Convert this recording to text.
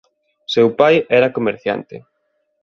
Seu pai era comerciante.